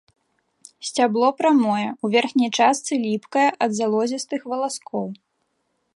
Сцябло прамое, у верхняй частцы ліпкае ад залозістых валаскоў.